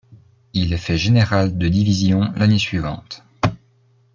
Il est fait général de division l'année suivante.